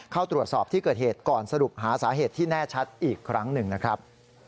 เข้าตรวจสอบที่เกิดเหตุก่อนสรุปหาสาเหตุที่แน่ชัดอีกครั้งหนึ่งนะครับ